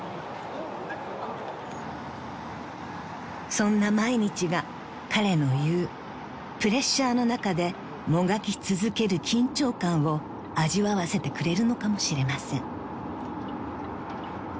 ［そんな毎日が彼の言うプレッシャーの中でもがき続ける緊張感を味わわせてくれるのかもしれません］